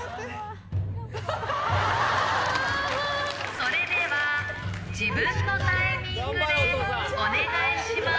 それでは自分のタイミングでお願いします。